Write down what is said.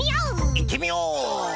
いってみよう！